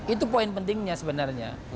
itu poin pentingnya sebenarnya